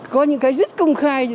có những cái rất công khai